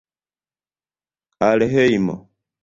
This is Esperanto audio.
Al hejmo!